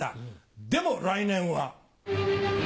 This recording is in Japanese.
でも来年は。